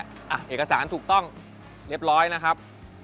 เอกสารถูกต้องเรียบร้อยนะครับ